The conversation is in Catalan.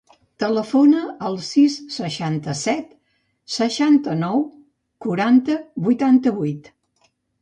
Telefona al sis, seixanta-set, seixanta-nou, quaranta, vuitanta-vuit.